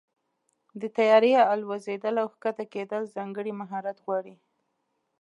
د طیارې الوزېدل او کښته کېدل ځانګړی مهارت غواړي.